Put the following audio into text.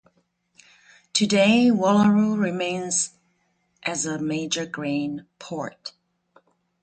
Today Wallaroo remains as a major grain port.